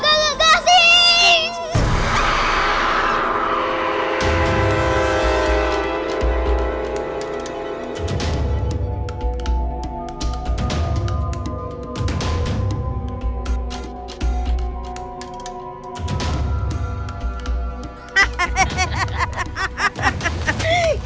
rafa main dong